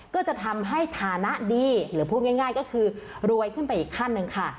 ก็จะทำให้ฐานะดีหรือพูดง่ายก็คือรวยขึ้นไปอีกขั้นหนึ่งค่ะ